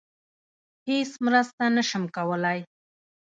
هیڅ مرسته نشم کولی.